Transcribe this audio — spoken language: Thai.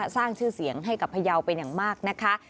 สร้างชื่อเสียงให้กับพยาวเป็นอย่างมากนะคะ